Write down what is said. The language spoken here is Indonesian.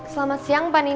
sampai jumpa lagi